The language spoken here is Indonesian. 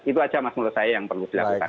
itu aja mas menurut saya yang perlu dilakukan